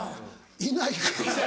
いないか。